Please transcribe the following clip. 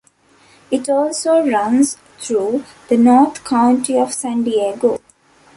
It also runs through the North County of San Diego.